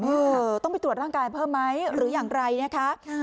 เออต้องไปตรวจร่างกายเพิ่มไหมหรืออย่างไรนะคะ